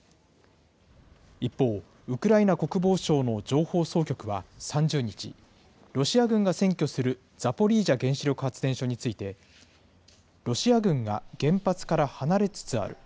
一方、ウクライナ国防省の情報総局は３０日、ロシア軍が占拠するザポリージャ原子力発電所について、ロシア軍が原発から離れつつある。